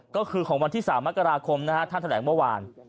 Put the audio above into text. ก็คือของวันที่๓มกราคมท่านแถลงเมื่อวาน